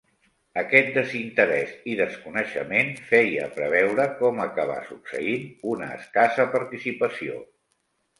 Aquest desinterès i desconeixement feia preveure, com acabà succeint, una escassa participació.